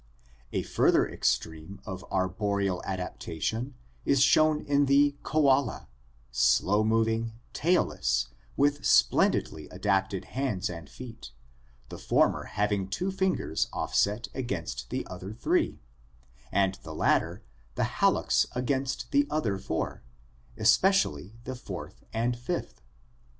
A further extreme of arboreal adaptation is shown in the koala (Phascolarctos cineretis), slow moving, tailless, with splen didly adapted hands and feet, the former having two fingers offset against the other three, and the latter the hallux against the other four, especially the fourth and fifth.